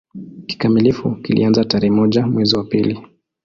Kikamilifu kilianza tarehe moja mwezi wa pili